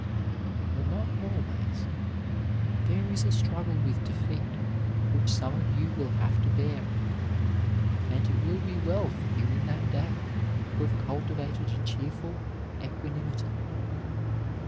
But not always ; there is a struggle with defeat which some of you will have to bear, and it will be well for you in that day to have cultivated a cheer ful equanimity.